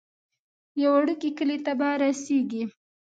یو وړوکی کلی ته به رسیږئ.